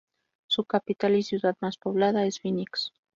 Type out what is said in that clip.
Su capital y ciudad más poblada es Phoenix.